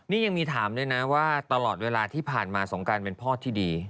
นี่ยังมีถามด้วยนะว่าตลอดเวลาที่ผ่านมาสงการเป็นพ่อที่ดี